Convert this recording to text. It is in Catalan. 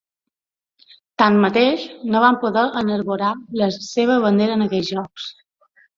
Tanmateix, no van poder enarborar la seva bandera en aquells jocs.